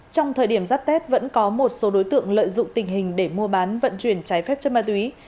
trong thời điểm giáp tết vẫn có một số đối tượng lợi dụng tình hình để mua bán vận chuyển trái phép chất ma túy